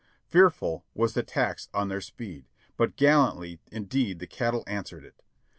Fearful was the tax on their speed, but gallantly indeed the cattle answered it.